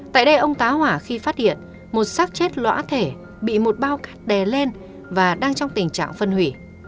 tại đây ông tá hỏa khi phát hiện một sắc chết lõa thể bị một bao cắt đè lên và đang trong tình trạng phân hủy